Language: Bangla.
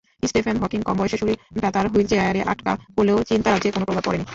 স্টিফেন হকিংকম বয়সে শরীরটা তাঁর হুইলচেয়ারে আটকা পড়লেও চিন্তারাজ্যে কোনো প্রভাব পড়েনি।